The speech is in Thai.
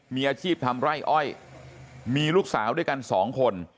มีอาชีพทำไร่อ้อยมีลูกสาวด้วยกันสองคน